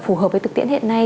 phù hợp với thực tiễn hiện nay